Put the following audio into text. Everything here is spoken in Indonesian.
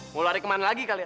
mau lari kemana lagi kalian